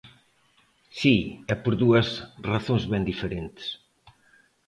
_Si, e por dúas razóns ben diferentes.